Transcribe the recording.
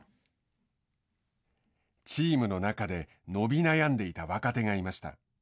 チームの中で伸び悩んでいた若手がいました。